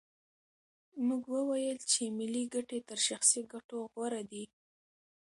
موږ وویل چې ملي ګټې تر شخصي ګټو غوره دي.